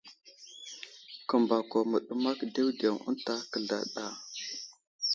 Kəmbako məɗəmak ɗewɗew ənta kəzlaɗ a.